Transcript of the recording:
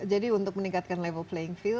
jadi untuk meningkatkan level playing field